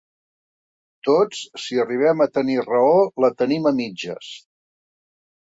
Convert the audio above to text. Tots, si arribem a tenir raó, la tenim a mitges.